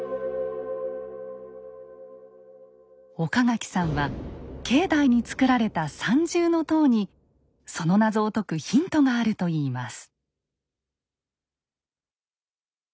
岡垣さんは境内に造られた三重塔にその謎を解くヒントがあるといいます。